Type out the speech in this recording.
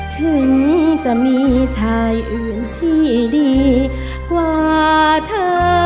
ถึงจะมีชายอื่นที่ดีกว่าเธอ